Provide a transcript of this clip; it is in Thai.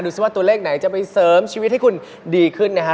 ซิว่าตัวเลขไหนจะไปเสริมชีวิตให้คุณดีขึ้นนะฮะ